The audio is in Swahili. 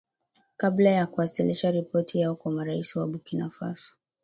kabla ya kuwasilisha ripoti yao kwa marais wa bukinafaso